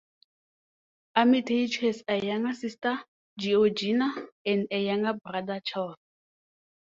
Armytage has a younger sister, Georgina, and a younger brother, Charles.